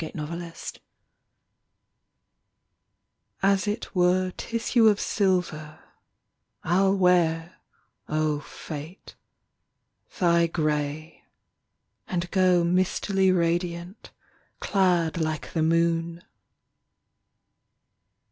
FATE DEFIED As it Were tissue of silver I ll wear, O fate, thy grey, And go mistily radiant, clad Like the moon.